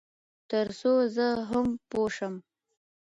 تر څو زه هم پوه شم.